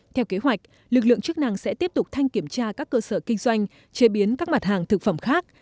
theo kế hoạch lực lượng chức năng sẽ tiếp tục thanh kiểm tra các cơ sở kinh doanh chế biến các mặt hàng thực phẩm khác